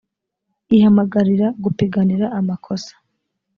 ihamagarira gupiganira amakosa.